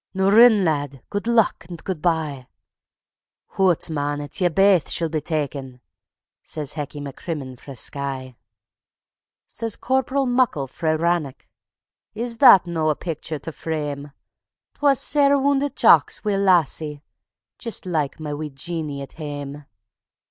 Noo, rin, lad! good luck and good by. ... "Hoots, mon! it's ye baith she'll be takin'," says Hecky MacCrimmon frae Skye. Says Corporal Muckle frae Rannoch: "Is that no' a picture tae frame? Twa sair woundit Jocks wi' a lassie jist like ma wee Jeannie at hame.